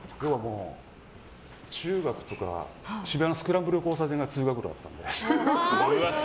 もう、中学とか渋谷のスクランブル交差点が通学路だったので。